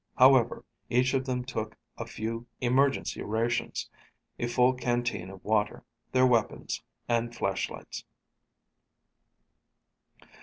However, each of them took a few emergency rations, a full canteen of water, their weapons, and flashlights.